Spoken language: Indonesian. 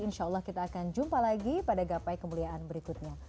insya allah kita akan jumpa lagi pada gapai kemuliaan berikutnya